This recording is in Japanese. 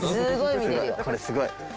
これすごい。